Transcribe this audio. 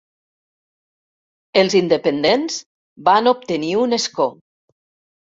Els independents van obtenir un escó.